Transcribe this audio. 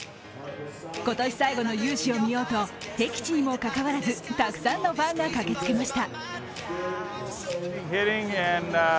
今年最後の雄姿を見ようと敵地にもかかわらずたくさんのファンが駆けつけました。